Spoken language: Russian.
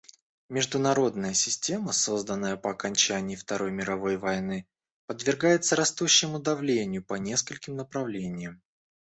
Международная система, созданная по окончании Второй мировой войны, подвергается растущему давлению по нескольким направлениям.